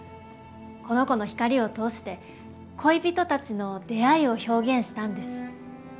この子の光を通して恋人たちの出会いを表現したんです。